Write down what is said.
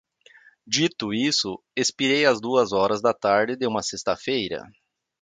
Dito isto, expirei às duas horas da tarde de uma sexta-feira